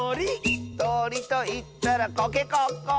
「とりといったらコケコッコー！」